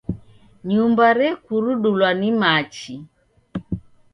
Nyumba rekurudulwa ni machi.